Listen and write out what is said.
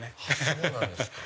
そうなんですか。